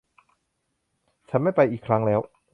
ฉันไม่ไปอีกครั้งแล้ว